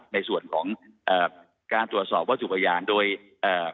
ในส่วนของเอ่อการตรวจสอบวัตถุพยานโดยเอ่อ